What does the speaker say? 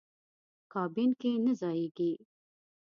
کابین کې نه ځایېږي.